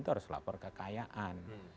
harus lapor kekayaan